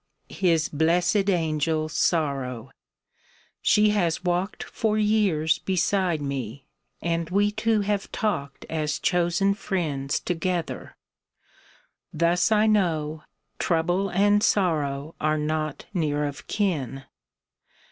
His blessed angel Sorrow ! She has walked For years beside me, and we two have talked As chosen friends together. Thus I know Trouble and Sorrow are not near of kin.